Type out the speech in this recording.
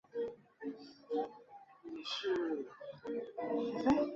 是为哈尔滨地区首次见于官方档案典籍记载。